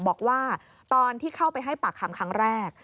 บอกว่าตอนที่เข้าไปให้ปากคำครั้งแรก